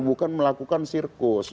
bukan melakukan sirkus